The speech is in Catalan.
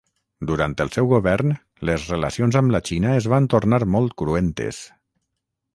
Durant el seu govern, les relacions amb la Xina es van tornar molt cruentes.